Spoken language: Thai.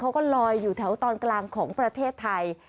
เขาก็ลอยอยู่แถวตอนกลางของประเทศไทย